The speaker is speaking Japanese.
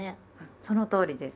そのとおりです。